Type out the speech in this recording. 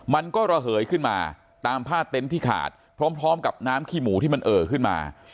มันก็ระเหยขึ้นมาตามผ้าเต็นต์ที่ขาดพร้อมกับน้ำขี้หมูที่มันเอ่อขึ้นมา